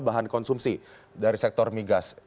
bahan konsumsi dari sektor migas